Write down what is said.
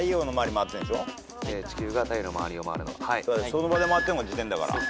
その場で回ってんのが自転だから。